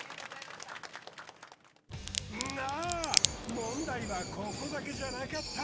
問題はここだけじゃなかった。